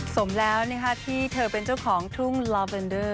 สมแล้วที่เธอเป็นเจ้าของทุ่งลอเวนเดอร์